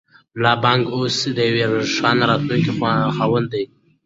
ملا بانګ اوس د یوې روښانه راتلونکې خاوند دی.